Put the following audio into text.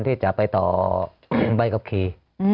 ที่จะไปต่อใบขับขี่